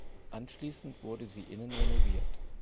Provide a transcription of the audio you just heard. Anschließend wurde sie innen renoviert.